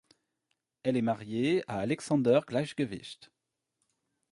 Elle est mariée à Aleksander Gleichgewicht.